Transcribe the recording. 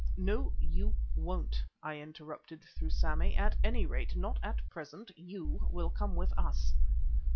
"No, you won't," I interrupted, through Sammy; "at any rate, not at present. You will come with us."